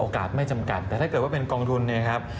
ไม่จำกัดแต่ถ้าเกิดว่าเป็นกองทุนเนี่ยนะครับ